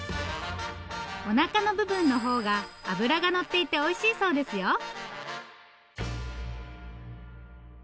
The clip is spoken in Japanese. おなかの部分のほうが脂がのっていておいしいそうですよ。